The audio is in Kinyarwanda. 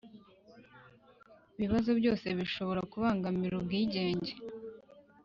bibazo byose bishobora kubangamira ubwigenge